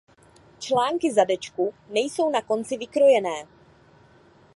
Články zadečku nejsou na konci vykrojené.